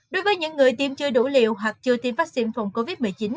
đối với những người tiêm chưa đủ liều hoặc chưa tiêm vaccine phòng covid một mươi chín